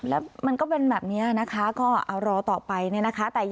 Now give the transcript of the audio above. แล้วมันก็เป็นแบบนี้นะคะก็เอารอต่อไปเนี่ยนะคะ